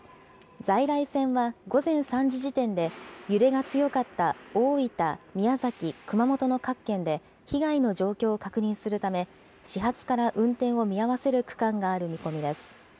在来線は午前３時時点で、揺れが強かった大分、宮崎、熊本の各県で、被害の状況を確認するため、始発から運転を見合わせる区間がある見込みです。